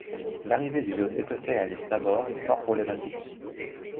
L’arrivée du yacht écossais à l’île Tabor est fort problématique